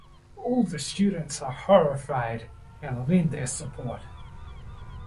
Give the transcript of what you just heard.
All the students are horrified and lend their support.